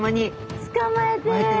捕まえてる。